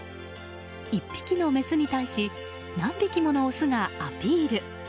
１匹のメスに対し何匹ものオスがアピール。